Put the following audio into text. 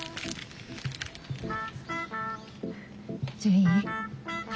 じゃあいい？